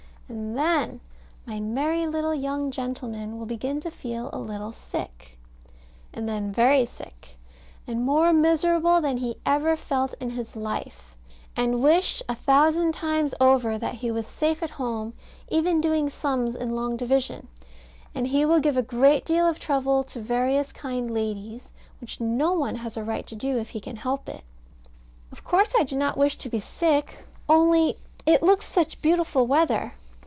And then my merry little young gentleman will begin to feel a little sick; and then very sick, and more miserable than he ever felt in his life; and wish a thousand times over that he was safe at home, even doing sums in long division; and he will give a great deal of trouble to various kind ladies which no one has a right to do, if he can help it. Of course I do not wish to be sick: only it looks such beautiful weather.